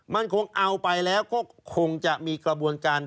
มันคงเอาไปแล้วก็คงจะมีกระบวนการ